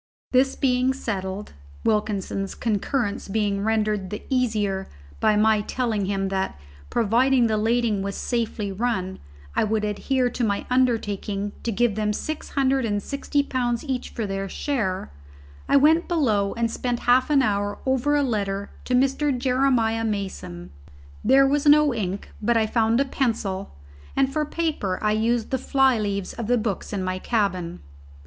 This being settled (Wilkinson's concurrence being rendered the easier by my telling him that, providing the lading was safely run, I would adhere to my undertaking to give them six hundred and sixty pounds each for their share), I went below and spent half an hour over a letter to Mr. Jeremiah Mason. There was no ink, but I found a pencil, and for paper I used the fly leaves of the books in my cabin.